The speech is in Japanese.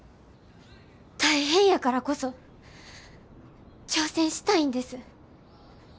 大変やからこそ挑戦したいんです。